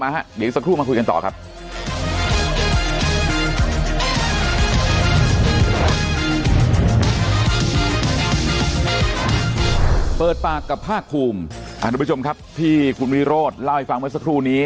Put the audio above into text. ทุกผู้ชมครับที่คุณวิโรธเล่าให้ฟังเมื่อสักครู่นี้